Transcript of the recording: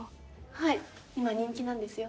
はい今人気なんですよ。